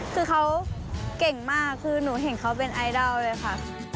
คือเขาเก่งมากคือหนูเห็นเขาเป็นไอดอลเลยค่ะ